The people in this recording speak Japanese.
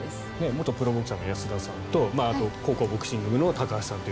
元プロボクサーの安田さんと高校ボクシング部の木村さんと。